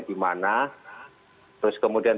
dimana terus kemudian